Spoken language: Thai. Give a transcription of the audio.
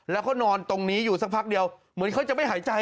แล้วเขานอนตรงนี้อยู่สักพักเดียวเหมือนเขาจะไม่หายใจ